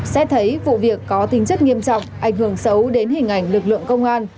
xét thấy vụ việc có tính chất nghiêm trọng ảnh hưởng xấu đến hình ảnh lực lượng công an